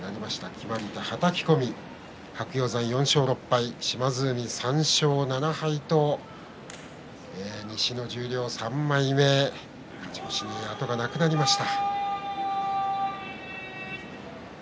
決まり手ははたき込み白鷹山、４勝６敗島津海、３勝７敗と西の十両３枚目勝ち越しに後がなくなりました。